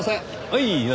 はい。